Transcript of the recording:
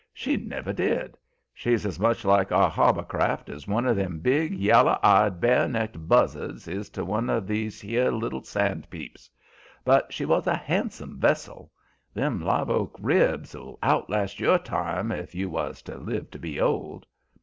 She never did. She's as much like our harbor craft as one o' them big, yallow eyed, bare necked buzzards is to one o' these here little sand peeps. But she was a handsome vessel. Them live oak ribs'll outlast your time, if you was to live to be old."